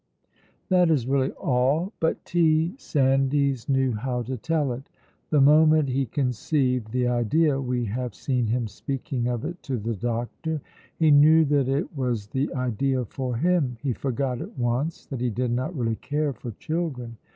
That is really all, but T. Sandys knew how to tell it. The moment he conceived the idea (we have seen him speaking of it to the doctor), he knew that it was the idea for him. He forgot at once that he did not really care for children.